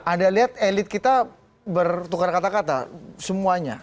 anda lihat elit kita bertukar kata kata semuanya